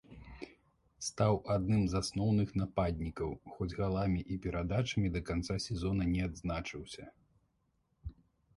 Стаў адным з асноўных нападнікаў, хоць галамі і перадачамі да канца сезона не адзначыўся.